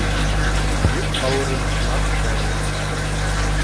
Йөк ауырын нар күтәрер.